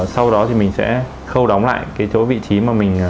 sau đó thì mình sẽ khâu đóng lại cái chỗ vị trí mà mình đã ghép